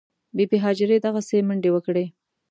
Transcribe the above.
بي بي هاجرې دغسې منډې وکړې.